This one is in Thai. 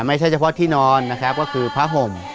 ไม่ใช่เฉพาะที่นอนนะครับก็คือผ้าห่ม